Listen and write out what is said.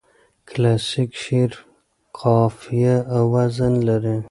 کلاسیک شعر قافیه او وزن لري.